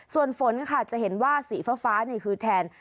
ส่วนฝนค่ะจะเห็นว่าสีฟ้านี่คือแทน